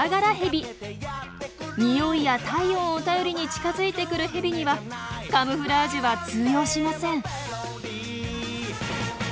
においや体温を頼りに近づいてくるヘビにはカムフラージュは通用しません。